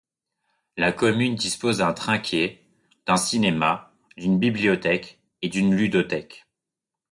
La commune dispose d'un trinquet, d'un cinéma, d'une bibliothèque et d'une ludothèque.